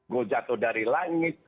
gue jatuh dari langit